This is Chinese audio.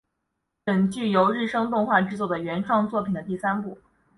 本剧由日升动画制作的原创作品的第三部。